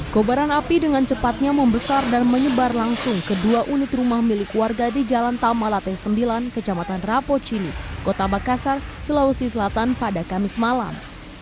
kobaran api dengan cepatnya membesar dan menyebar langsung kedua unit rumah milik warga di jalan tamalate sembilan kecamatan rapocini kota makassar sulawesi selatan pada kamis malam